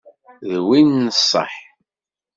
D win n ṣṣeḥ?